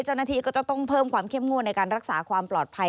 เจ้าหน้าที่ก็จะต้องเพิ่มความเข้มงวดในการรักษาความปลอดภัย